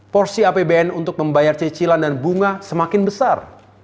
porsi apbn untuk membayar cicilan dan bunga semakin besar